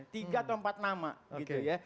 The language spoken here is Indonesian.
tiga atau empat nama gitu ya